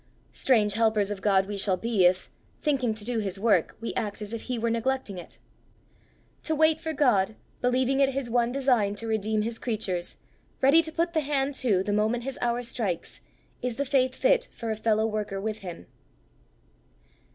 Strange helpers of God we shall be, if, thinking to do his work, we act as if he were neglecting it! To wait for God, believing it his one design to redeem his creatures, ready to put the hand to, the moment his hour strikes, is the faith fit for a fellow worker with him!